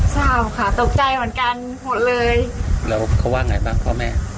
เศร้าค่ะตกใจเหมือนกันหมดเลยแล้วเขาว่าไงบ้างพ่อแม่